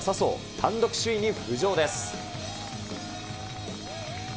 単独首位に浮上です。